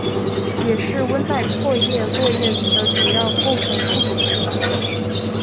也是温带阔叶落叶林的主要构成树种之一。